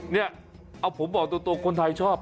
เนี่ยเอาผมบอกตัวคนไทยชอบ